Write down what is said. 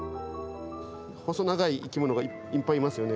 細長い生き物がいっぱいいますよね。